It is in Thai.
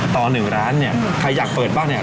ต่อ๑ร้านเนี่ยใครอยากเปิดบ้างเนี่ย